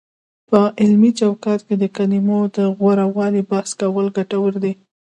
په علمي چوکاټ کې د کلمو د غوره والي بحث کول ګټور دی،